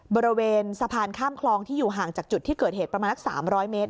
บริเวณสะพานข้ามคลองที่อยู่ห่างจากจุดที่เกิดเหตุประมาณสัก๓๐๐เมตร